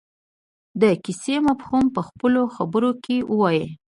د کیسې مفهوم په خپلو خبرو کې ووايي.